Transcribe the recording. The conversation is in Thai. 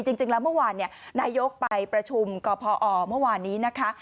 จริงแล้วเมื่อวานนายกไปประชุมกพอเมื่อวานนี้นะคะ